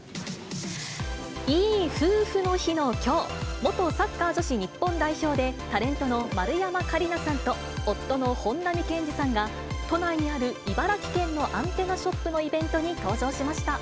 いい夫婦の日のきょう、元サッカー女子日本代表で、タレントの丸山桂里奈さんと夫の本並健治さんが、都内にある茨城県のアンテナショップのイベントに登場しました。